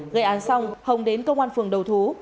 gây án xong hồng đến công an phường đầu thú